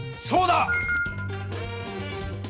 そうだ！